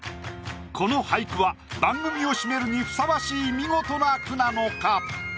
この俳句は番組を締めるにふさわしい見事な句なのか？